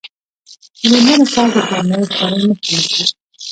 د میرمنو کار د کورنۍ خوارۍ مخه نیسي.